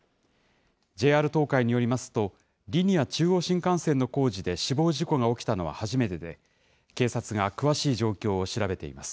ＪＲ東海によりますと、リニア中央新幹線の工事で死亡事故が起きたのは初めてで、警察が詳しい状況を調べています。